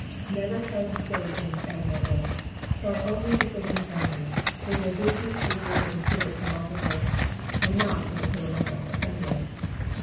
Never try to say things admirably ; try only to Bay them plainly ; for your business is with the considerate philosopher, and not with the polemical assembly.